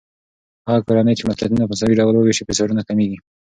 هغه کورنۍ چې مسؤليتونه په مساوي ډول وويشي، فشارونه کمېږي.